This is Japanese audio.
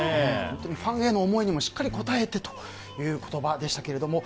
ファンへの思いにもしっかり応えてという言葉でしたけど。